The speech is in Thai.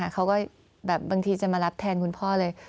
เขาก็แบบบางทีจะมารับแทนคุณพ่อเลย